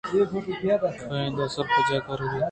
ءُ کایَنت اسل ءَ پجّاہ آرگ نہ بنت!